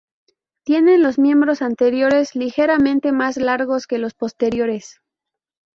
Tienen los miembros anteriores ligeramente más largos que los posteriores.